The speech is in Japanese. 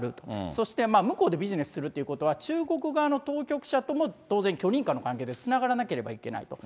そして向こうでビジネスするということは、中国側の当局者とも当然、許認可の関係でつながらなければいけないと。